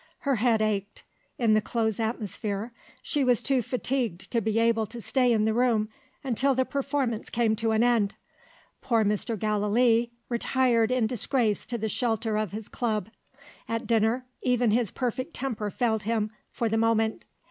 Her head ached, in the close atmosphere she was too fatigued to be able to stay in the room until the performance came to an end. Poor Mr. Gallilee retired in disgrace to the shelter of his club. At dinner, even his perfect temper failed him for the moment.